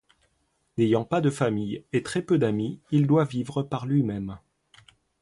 N'ayant pas de famille et très peu d'amis, il doit vivre par lui-même.